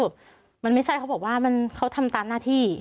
มันไม่ใช่เขาบอกว่าเขาทำตามหน้าที่